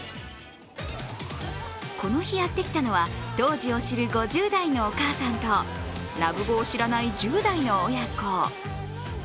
この日、やってきたのは当時を知る５０代のお母さんとラブボを知らない１０代の親子。